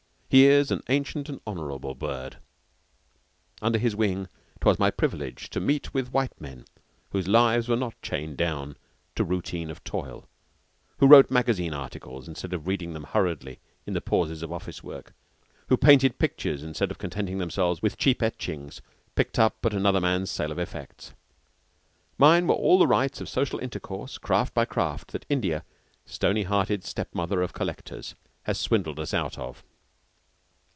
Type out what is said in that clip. He is an ancient and honorable bird. Under his wing 'twas my privilege to meet with white men whose lives were not chained down to routine of toil, who wrote magazine articles instead of reading them hurriedly in the pauses of office work, who painted pictures instead of contenting themselves with cheap etchings picked up at another man's sale of effects. Mine were all the rights of social intercourse, craft by craft, that India, stony hearted step mother of collectors, has swindled us out of.